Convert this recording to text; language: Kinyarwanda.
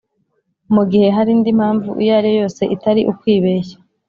Mu gihe hari indi mpamvu iyo ariyo yose itari ukwibeshya